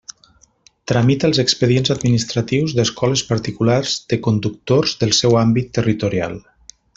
Tramita els expedients administratius d'escoles particulars de conductors del seu àmbit territorial.